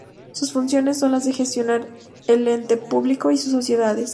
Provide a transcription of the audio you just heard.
Sus funciones son las de gestionar el ente público y sus sociedades.